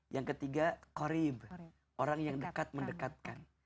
yang ketiga qarif orang yang dekat mendekatkan